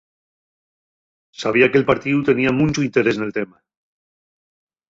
Sabía que'l partíu tenía munchu interés nel tema.